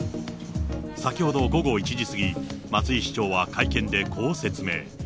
先ほど午後１時過ぎ、松井市長は会見で、こう説明。